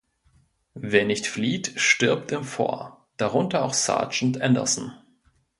Wer nicht flieht stirbt im Fort, darunter auch Sergeant Anderson.